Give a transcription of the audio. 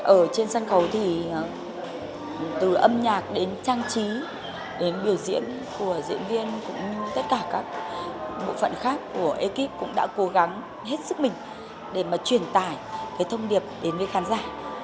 ở trên sân khấu thì từ âm nhạc đến trang trí đến biểu diễn của diễn viên cũng tất cả các bộ phận khác của ekip cũng đã cố gắng hết sức mình để mà truyền tải cái thông điệp đến với khán giả